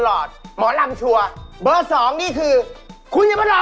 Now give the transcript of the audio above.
โอ้โหลึก